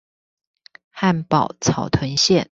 漢寶草屯線